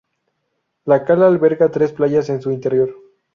La cala alberga tres playas en su interior.